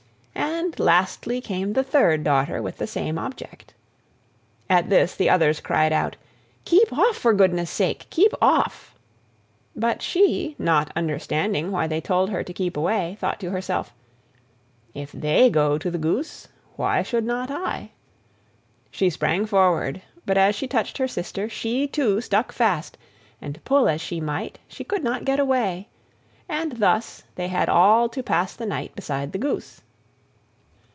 And lastly came the third daughter with the same object. At this the others cried out, "Keep off, for goodness' sake, keep off!" But she, not understanding why they told her to keep away, thought to herself, "If they go to the goose, why should not I?" She sprang forward, but as she touched her sister she too stuck fast, and pull as she might she could not get away; and thus they had all to pass the night beside the goose.